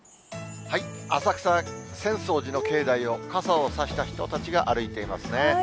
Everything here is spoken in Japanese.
浅草・浅草寺の境内を傘を差した人たちが歩いていますね。